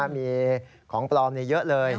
มีของปลอมเยอะเลย